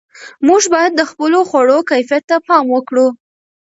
موږ باید د خپلو خوړو کیفیت ته پام وکړو.